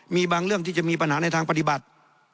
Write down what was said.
มีบางเรื่องที่จะมีปัญหาในทางปฏิบัติ